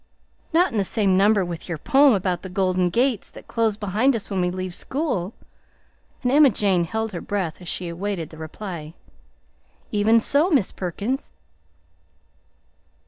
"Not in the same number with your poem about the golden gates that close behind us when we leave school?" and Emma Jane held her breath as she awaited the reply. "Even so, Miss Perkins."